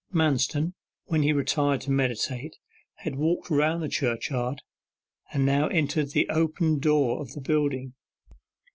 Manston, when he retired to meditate, had walked round the churchyard, and now entered the opened door of the building.